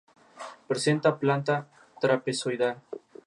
Se caracteriza por sus órganos genitales impares colocados en el asa intestinal.